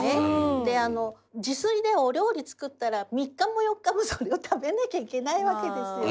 であの自炊でお料理作ったら３日も４日もそれを食べなきゃいけないわけですよ。